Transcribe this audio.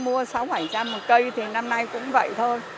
mua sáu một cây thì năm nay cũng vậy thôi